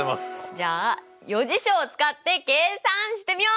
じゃあ余事象を使って計算してみよう！